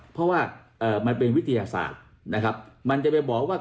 เพราะว่ามันเป็นวิทยาศาสตร์นะครับมันจะไปบอกว่า